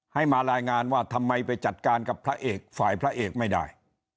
ให้มารายงานว่าทำไมไปจัดการกับพระเอกฝ่ายพระเอกไม่ได้